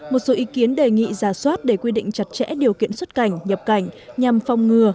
một số ý kiến đề nghị giả soát để quy định chặt chẽ điều kiện xuất cảnh nhập cảnh nhằm phòng ngừa